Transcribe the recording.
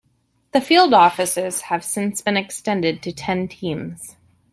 The field offices have since been extended to ten teams.